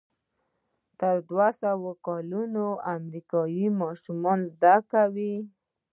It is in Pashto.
تر دوهسوه کلونو امریکایي ماشومان یې زده کوي.